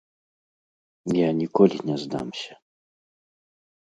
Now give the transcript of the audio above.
Я ніколі не здамся.